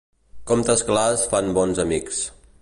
Comptes clars fan bons amics.